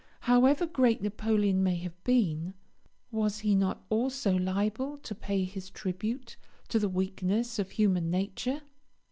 However great Napoleon may have been, was he not also liable to pay his tribute to the weakness of human nature?